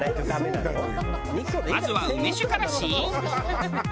まずは梅酒から試飲。